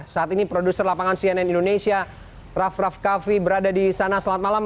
saat ini produser lapangan cnn indonesia raff raff kaffi berada di sana selamat malam